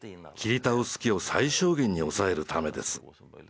切り倒す木を最小限に抑えるためです。